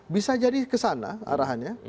bisa jadi ke sana arahannya